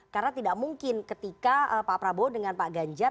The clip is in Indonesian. karena tidak mungkin ketika pak prabowo dengan pak ganjar